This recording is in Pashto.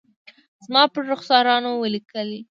زما پر رخسارونو ولیکلي